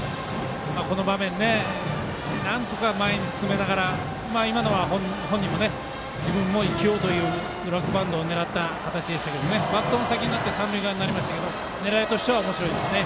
この場面なんとか前に進めながら今のは本人も生きようというドラッグバントを狙った感じでしたがバットの先になって三塁側になりましたけど狙いとしてはおもしろいですね。